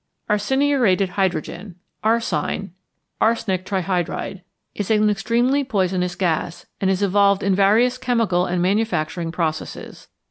=Arseniuretted Hydrogen= (arsine, AsH_) is an extremely poisonous gas, and is evolved in various chemical and manufacturing processes.